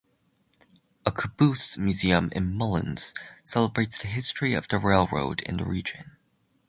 A caboose museum in Mullens celebrates the history of the railroad in the region.